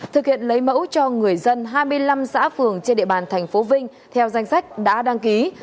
thực hiện lấy mẫu cho người dân hai mươi năm xã phường trên địa bàn tp vinh theo danh sách đã đăng ký